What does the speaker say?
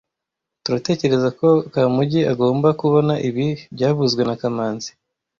turatekerezako Kamugi agomba kubona ibi byavuzwe na kamanzi